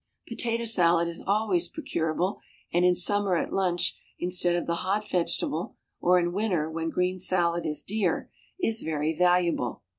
Potato salad is always procurable, and in summer at lunch, instead of the hot vegetable, or in winter when green salad is dear, is very valuable.